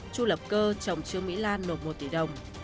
chu lập cơ chồng trương mỹ lan nộp một tỷ đồng